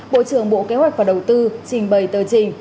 bộ trưởng bộ kế hoạch và đầu tư trình bày tờ trình